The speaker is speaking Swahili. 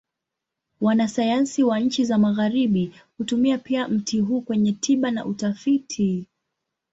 Wanasayansi wa nchi za Magharibi hutumia pia mti huu kwenye tiba na utafiti.